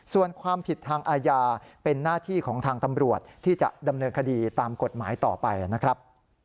ส่วนความผิดทางอาญาเป็นหน้าที่ของทางตำรวจที่จะดำเนินคดีตามกฎหมายต่อไปนะครับ